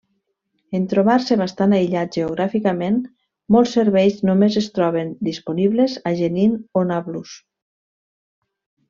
En trobar-se bastant aïllat geogràficament, molts serveis només es troben disponibles a Jenin o Nablus.